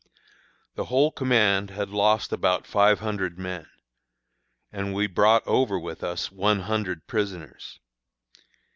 The whole command had lost about five hundred men, and we brought over with us one hundred prisoners.